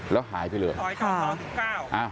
แล้วหายไปเลย